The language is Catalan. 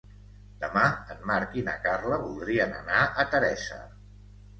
Demà en Marc i na Carla voldrien anar a Teresa.